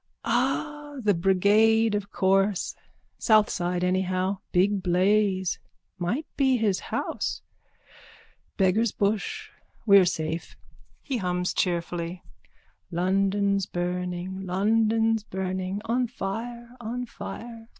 Ah, the brigade, of course. South side anyhow. Big blaze. Might be his house. Beggar's bush. We're safe. (He hums cheerfully.) London's burning, London's burning! On fire, on fire!